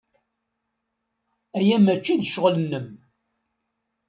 Aya maci d ccɣel-nnem.